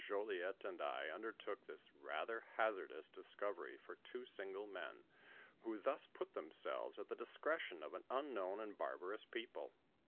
Jollyet and I undertook this rather hazardous dis covery for two single men, who thus put themselves at the discretion of an unknown and barbarous people.